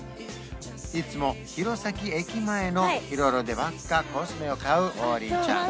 いつも弘前駅前のヒロロでばっかコスメを買う王林ちゃん